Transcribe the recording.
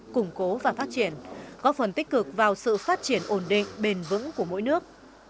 củng cố và phát triển góp phần tích cực vào sự phát triển ổn định bền vững của mỗi nước